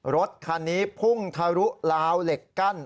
รถคันนี้พุ่งทะลุลาวเหล็กกั้น